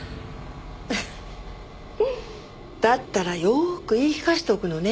フフフだったらよーく言い聞かせておくのね。